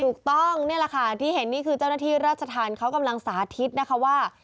ถูกต้องนี่แหละค่ะที่เห็นนี่คือเจ้าหน้าที่ราชธรรมเขากำลังสาธิตนะคะว่า